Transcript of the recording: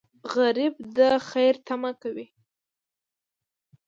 غریب د خیر تمه کوي